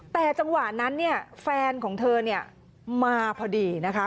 แต่จังหวะนั้นแฟนของเธอมาพอดีนะคะ